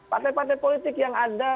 partai partai politik yang ada